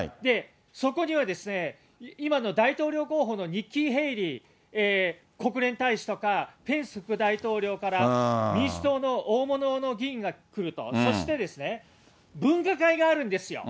そこには今の大統領候補のニッキー・ヘイリー国連大使とか、ペンス副大統領から、民主党の大物の議員が来ると、そして分科会があるんですよ。